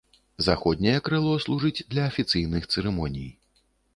Заходняе крыло служыць для афіцыйных цырымоній.